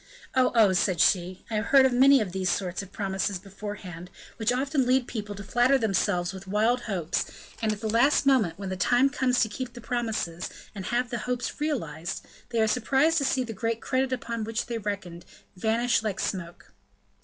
"Oh! oh!" said she; "I have heard of many of these sorts of promises beforehand, which often lead people to flatter themselves with wild hopes, and at the last moment, when the time comes to keep the promises, and have the hopes realized, they are surprised to see the great credit upon which they reckoned vanish like smoke."